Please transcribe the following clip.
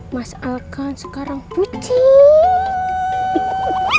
mas al kan sekarang pucing